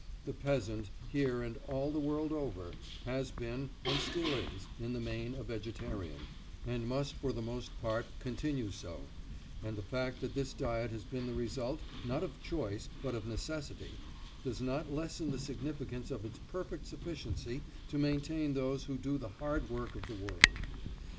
The peasant, here and all the world over, has been, and still is, in the main a vegetarian, and must for the most part continue so; and the fact that this diet has been the result, not of choice, but of necessity, does not lessen the significance of its perfect sufficiency to maintain those who do the hard work of the world.